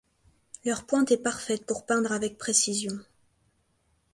Leur pointe est parfaite pour peindre avec précision.